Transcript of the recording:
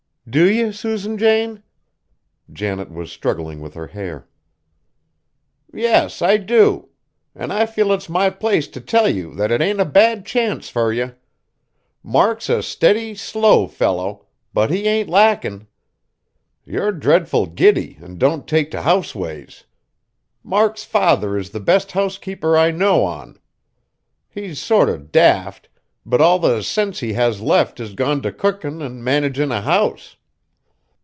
"Do you, Susan Jane?" Janet was struggling with her hair. "Yes, I do. An' I feel it's my place t' tell you that it ain't a bad chance fur you. Mark's a steady, slow fellow, but he ain't lackin'. You're dreadful giddy an' don't take t' house ways. Mark's father is the best housekeeper I know on. He's sort of daft; but all the sense he has left is gone t' cookin' an' managin' a house.